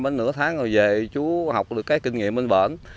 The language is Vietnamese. nửa tháng rồi về chú học được cái kinh nghiệm bên bệnh